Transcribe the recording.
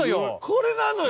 これなのよ！